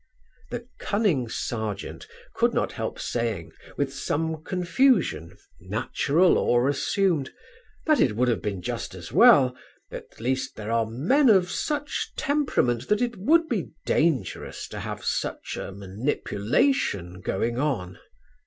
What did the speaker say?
The cunning Serjeant could not help saying with some confusion, natural or assumed, "that it would have been just as well at least there are men of such temperament that it would be dangerous to have such a manipulation going on."